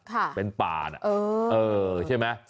ค่ะเป็นป่าน่ะเออใช่มั้ย